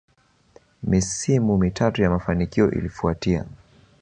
Misimu mitatu ya mafanikio ilifuatia